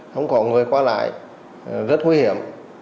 không có người qua lại rất nguy hiểm